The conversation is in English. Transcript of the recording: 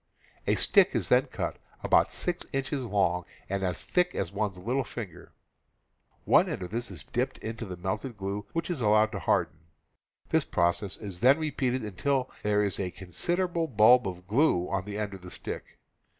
A stick is then cut about six inches long and as thick as one's little finger; one end of this is dipped in the melted glue, which is allowed to harden; this process is then repeated until there is a considerable bulb of glue on the end of the stick.